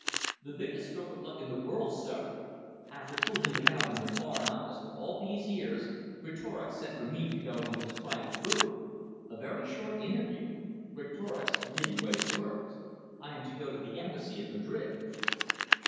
"The biggest stroke of luck in the world, sir. After fooling about in the Foreign Office for all these years, Greatorex sent for me to go into his private room. A very short interview: Greatorex doesn't waste words. I am to go to the Embassy at Madrid."